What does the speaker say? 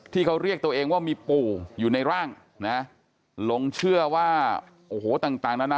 ที่เขาเรียกตัวเองว่ามีปู่อยู่ในร่างนะหลงเชื่อว่าโอ้โหต่างนานา